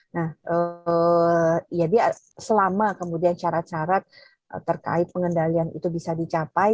nah selama kemudian syarat syarat terkait pengendalian itu bisa dicapai